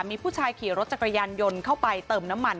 มีผู้ชายขี่รถจักรยานยนต์เข้าไปเติมน้ำมัน